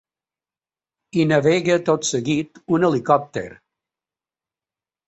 Hi navega tot seguit un helicòpter.